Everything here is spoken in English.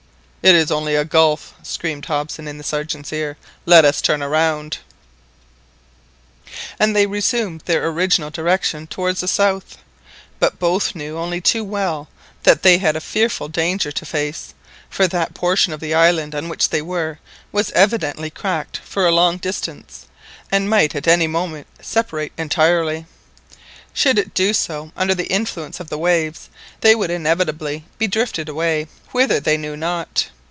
"It is only a gulf." screamed Hobson in the Sergeant's ear. "Let us turn round." And they resumed their original direction towards the south, but both knew only too well that they had a fearful danger to face, for that portion of the island on which they were was evidently cracked for a long distance, and might at any moment separate entirely; should it do so under the influence of the waves, they would inevitably be drifted away, whither they knew not.